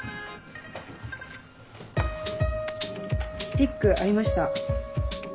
ピックありました。